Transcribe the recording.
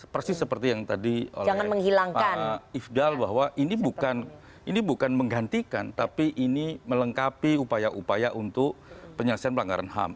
persis seperti yang tadi oleh pak ifdal bahwa ini bukan menggantikan tapi ini melengkapi upaya upaya untuk penyelesaian pelanggaran ham